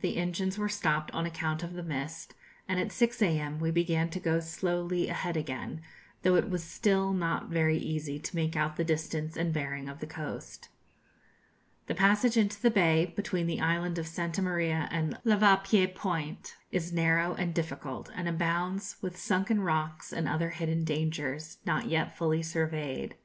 the engines were stopped on account of the mist; and at 6 a.m. we began to go slowly ahead again, though it was still not very easy to make out the distance and bearing of the coast. The passage into the bay, between the island of Santa Maria and Lavapié Point, is narrow and difficult, and abounds with sunken rocks and other hidden dangers, not yet fully surveyed.